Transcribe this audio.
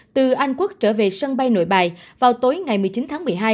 từ anh quốc trở về sân bay nội bài vào tối ngày một mươi chín tháng một mươi hai